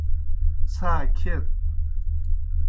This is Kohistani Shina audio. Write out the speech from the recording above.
څھا کھیت۔